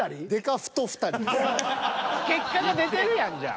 結果が出てるやんじゃあ。